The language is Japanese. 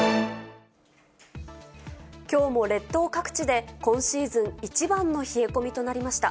きょうも列島各地で今シーズン一番の冷え込みとなりました。